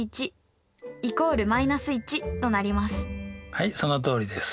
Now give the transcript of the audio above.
はいそのとおりです。